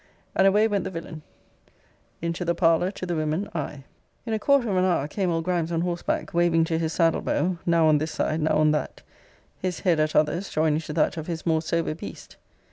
And away went the villain into the parlour, to the women, I. In a quarter of an hour came old Grimes on horseback, waving to his saddle bow, now on this side, now on that; his head, at others, joining to that of his more sober beast.